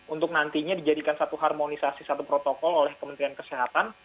untuk nantinya dijadikan satu harmonisasi satu protokol oleh kementerian kesehatan